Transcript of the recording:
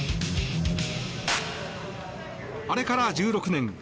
あれから１６年。